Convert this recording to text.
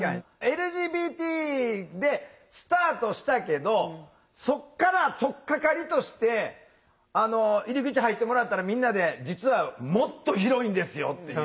ＬＧＢＴでスタートしたけどそっから取っかかりとして入り口入ってもらったらみんなで実はもっと広いんですよっていう。